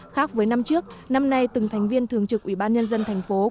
khác với năm trước năm nay từng thành viên thường trực ủy ban nhân dân tp hcm